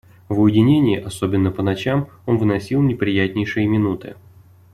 В уединении, особенно по ночам, он выносил неприятнейшие минуты.